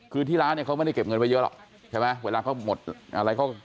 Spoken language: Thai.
คือที่ร้านเนี่ยเขาไม่ได้เก็บเงินไว้เยอะหรอกใช่ไหมเวลาเขาหมดอะไรเขา